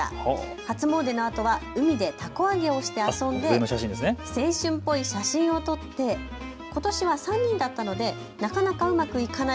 初詣のあとは海でたこ揚げをして遊んで青春っぽい写真を撮ってことしは３人だったのでなかなかうまくいかない。